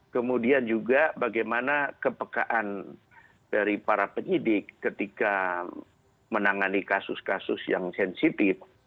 kemudian juga bagaimana kepekaan dari para penyidik ketika menangani kasus kasus yang sensitif